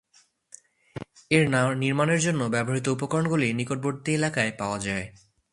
এর নির্মাণের জন্য ব্যবহৃত উপকরণগুলি নিকটবর্তী এলাকায় পাওয়া যায়।